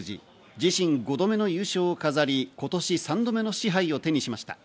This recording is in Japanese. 自身５度目の優勝を飾り、今年３度目の賜杯を手にしました。